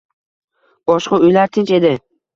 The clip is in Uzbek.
Boshqa uylar tinch edi.